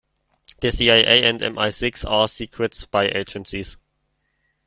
The CIA and MI-Six are secret spy agencies.